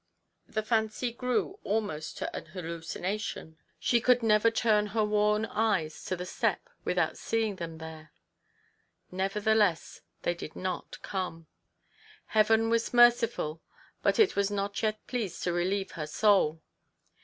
The fancy grew almost to an hallucination ; she could 138 TO PLEASE HIS WIFE. never turn her worn eyes to the step without seeing them there. Nevertheless they did not come. Heaven was merciful, but it was not yet pleased to relieve her soul.